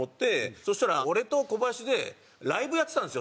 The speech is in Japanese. そしたら俺とコバヤシでライブやってたんですよ